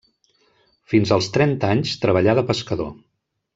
Fins als trenta anys treballà de pescador.